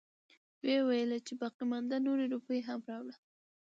وويلې چې باقيمانده نورې روپۍ هم راوړه.